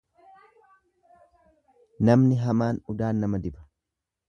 Namni hamaan udaan nama diba.